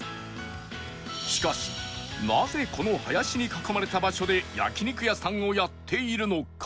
しかしなぜこの林に囲まれた場所で焼肉屋さんをやっているのか？